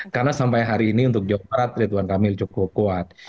karena sampai hari ini untuk jawa barat ritwan kamil cukup kuat